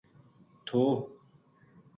تھو